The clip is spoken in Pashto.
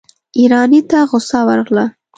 ايراني ته غصه ورغله.